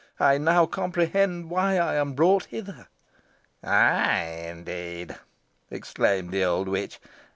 I now comprehend why I am brought hither." "Ay, indeed!" exclaimed the old witch.